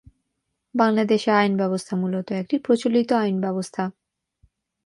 বাংলাদেশের আইনব্যবস্থা মূলত একটি প্রচলিত আইনব্যবস্থা।